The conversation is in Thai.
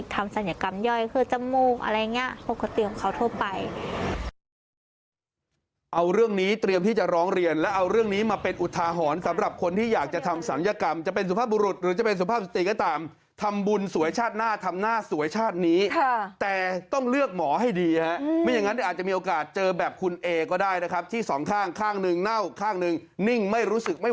ศัลยกรรมย่อยคือจมูกอะไรอย่างนี้ปกติของเขาทั่วไป